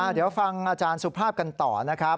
เดี๋ยวฟังอาจารย์สุภาพกันต่อนะครับ